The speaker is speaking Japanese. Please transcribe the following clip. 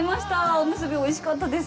おむすび美味しかったです。